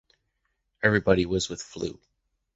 Everybody was with flu.